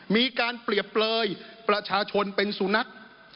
มีการเปรียบเปลยประชาชนเป็นสุนัข